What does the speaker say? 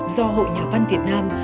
do hội nhà văn việt nam